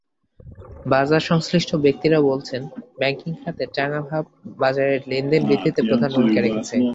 বাজারসংশ্লিষ্ট ব্যক্তিরা বলছেন, ব্যাংকিং খাতের চাঙা ভাব বাজারের লেনদেন বৃদ্ধিতে প্রধান ভূমিকা রেখেছে।